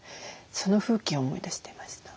その風景を思い出していました。